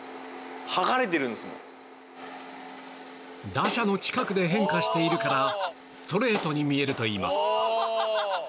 打者の近くで変化しているからストレートに見えるといいます。